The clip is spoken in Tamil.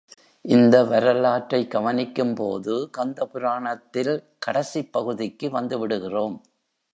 இந்த வரலாற்றை கவனிக்கும்போது கந்த புராணத்தில் கடைசிப் பகுதிக்கு வந்துவிடுகிறோம்.